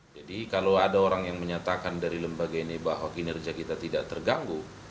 jadi kalau ada orang yang menyatakan dari lembaga ini bahwa kinerja kita tidak terganggu